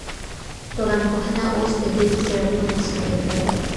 ټولنپوهنه اوس د ډېرو څېړنو مسؤلیت لري.